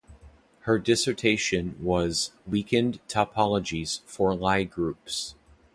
Her dissertation was "Weakened Topologies for Lie Groups".